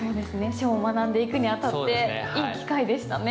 書を学んでいくにあたっていい機会でしたね。